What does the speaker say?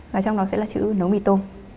và trong đó sẽ là chữ nấu mì tôm